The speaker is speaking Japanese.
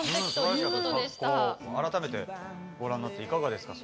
改めてご覧になっていかがですか